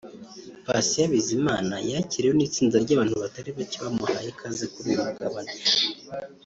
Patient Bizimana yakiriwe n'itsinda ry'abantu batari bacye bamuhaye ikaze kuri uyu mugabane